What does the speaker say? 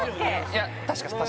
いや確かです